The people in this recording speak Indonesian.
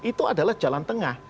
itu adalah jalan tengah